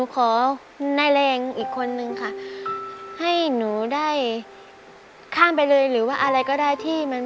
ข้ามไปเลยหรืออาหร่างก็ได้ที่มันไม่บอก